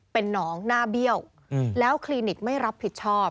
เป็นน้องหน้าเบี้ยวแล้วคลินิกไม่รับผิดชอบ